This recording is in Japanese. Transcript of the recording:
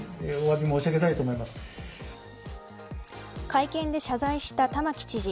会見で謝罪した玉城知事。